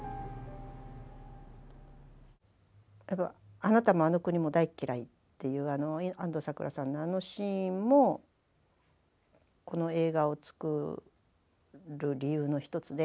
「あなたもあの国も大嫌い！」っていう安藤サクラさんのあのシーンもこの映画を作る理由の一つであのセリフを言いたいっていう。